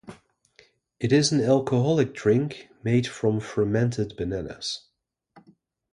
It is an alcoholic drink made from fermented bananas.